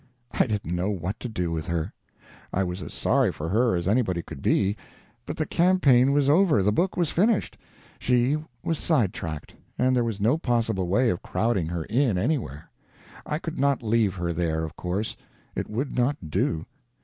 I didn't know what to do with her. I was as sorry for her as anybody could be, but the campaign was over, the book was finished, she was sidetracked, and there was no possible way of crowding her in, anywhere. I could not leave her there, of course; it would not do.